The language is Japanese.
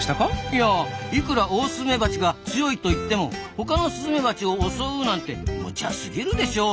いやいくらオオスズメバチが強いといってもほかのスズメバチを襲うなんてむちゃすぎるでしょ。